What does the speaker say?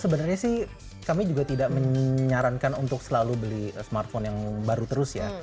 sebenarnya sih kami juga tidak menyarankan untuk selalu beli smartphone yang baru terus ya